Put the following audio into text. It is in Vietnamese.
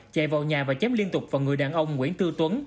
chạy vào nhà và chém liên tục vào người đàn ông nguyễn tư tuấn